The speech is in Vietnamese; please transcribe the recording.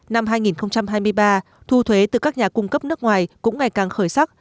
năm hai nghìn hai mươi ba thu thuế từ các nhà cung cấp nước ngoài cũng ngày càng khởi sắc